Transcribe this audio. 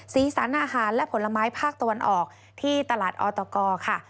สีสันอาหารและผลไม้ภาคตะวันออกที่ตลาดออตกค่ะ